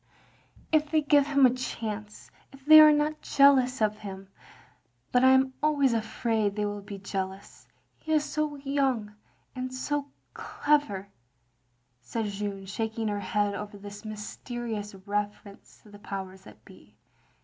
" "If they give him a chance, if they are not jealous of him, — ^but I am always afmid they will be jealous — ^he is so yotmg, and so clever, " said Jeanne, shaking her head over this mysterious reference to the powers that be.